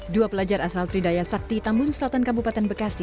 dua pelajar asal tridaya sakti tambun selatan kabupaten bekasi